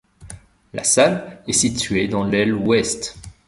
La salle est située dans l'aile Ouest.